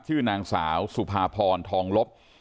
ชื่อนางสาวสุภาพรทองลบ